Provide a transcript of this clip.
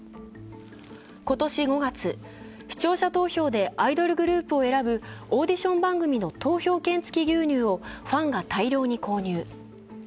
今年５月、視聴者投票でアイドルグループを選ぶオーディション番組の投票権つき牛乳をファンが大量に購入。